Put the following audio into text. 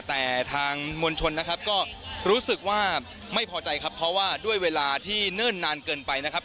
แต่ทางมวลชนนะครับก็รู้สึกว่าไม่พอใจครับเพราะว่าด้วยเวลาที่เนิ่นนานเกินไปนะครับ